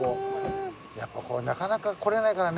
やっぱこうなかなか来れないからね。